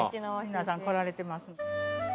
皆さん来られてます。